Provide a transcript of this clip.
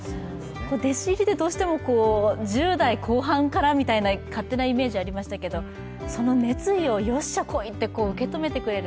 弟子入りってどうしても１０代後半からみたいな勝手なイメージありましたけどその熱意を、よっしゃ来いと受け止めてくれる。